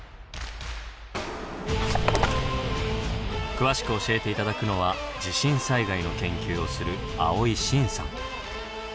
詳しく教えて頂くのは地震災害の研究をする